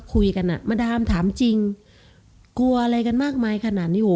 อ่ะมาดามถามจริงกลัวอะไรกันมากมายขนาดนี้ว่